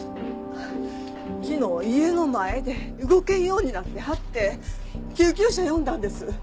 昨日家の前で動けんようになってはって救急車呼んだんです。